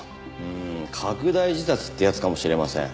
うん拡大自殺ってやつかもしれません。